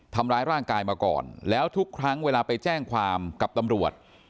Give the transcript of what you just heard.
ทำร้ายร่างกายมาก่อนแล้วทุกครั้งเวลาไปแจ้งความกับตำรวจ